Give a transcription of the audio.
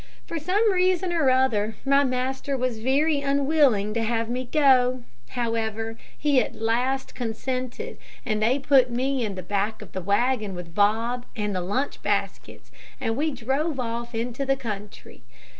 For some reason or other, my master was very unwilling to have me go. However, he at last consented, and they put me in the back of the wagon with Bob and the lunch baskets, and we drove off into the country.